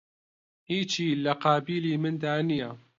هیچی لە قابیلی مندا نییە